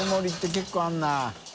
結構あるな。